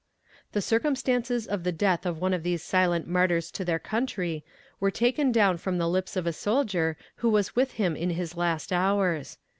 "The circumstances of the death of one of these silent martyrs to their country were taken down from the lips of a soldier who was with him in his last hours.